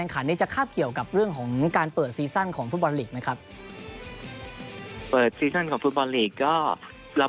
ก็จะเปิดวัน๙กุมภาครั้งนี้ครับ